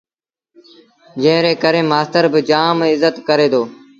جݩهݩ ري ڪري مآستر با جآم ازت ڪري دو